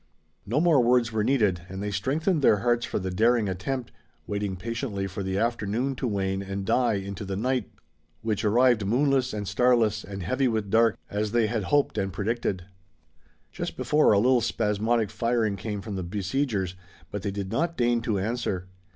No more words were needed, and they strengthened their hearts for the daring attempt, waiting patiently for the afternoon to wane and die into the night, which, arrived moonless and starless and heavy with dark, as they had hoped and predicted. Just before, a little spasmodic firing came from the besiegers, but they did not deign to answer.